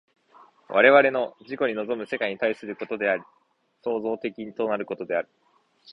我々の自己に臨む世界に対することである、創造的となることである。